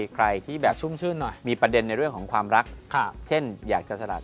ใครที่แบบมีประเด็นในเรื่องของความรักเช่นอยากจะสลัด